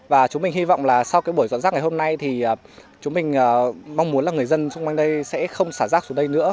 và chúng mình hy vọng là sau cái buổi dọn rác ngày hôm nay thì chúng mình mong muốn là người dân xung quanh đây sẽ không xả rác xuống đây nữa